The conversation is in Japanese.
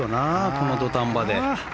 この土壇場で。